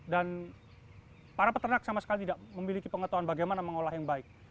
dan para peternak sama sekali tidak memiliki pengetahuan bagaimana mengolah yang baik